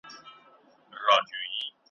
ستا د هجر که صبا دئ، تر سهاره ګو ندي راسې.